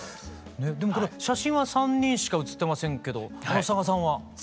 この写真は３人しか映ってませんけど佐賀さんは？